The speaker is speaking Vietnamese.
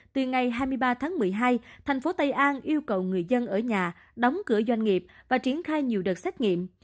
từ ngày hai mươi ba tháng một mươi hai thành phố tây an yêu cầu người dân ở nhà đóng cửa doanh nghiệp và triển khai nhiều đợt xét nghiệm